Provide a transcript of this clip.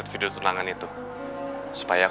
apa terus gimana